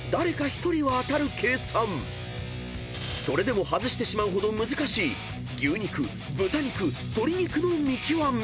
［それでも外してしまうほど難しい牛肉豚肉鶏肉の見極め］